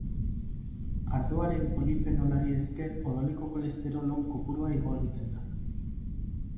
Ardoaren polifenolari esker odoleko kolesterol on kopurua igo egiten da.